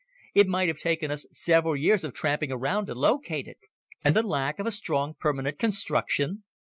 It might have taken us several years of tramping around to locate it." "And the lack of a strong permanent construction?